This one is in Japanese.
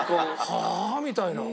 はあー？みたいな。